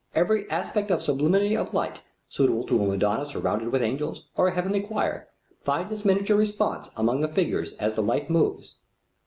Every aspect of sublimity of light suitable to a Madonna surrounded with angels, or a heavenly choir, finds its miniature response among the figures as the light moves.